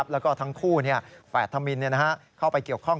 แล้วก็ทั้งคู่แฝดธมินเข้าไปเกี่ยวข้อง